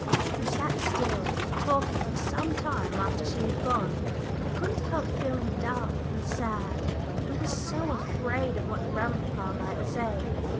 We sat still, talking, for some time after she had gone we couldn't help feeling dull and sad. We were so afraid of what grandpapa might say.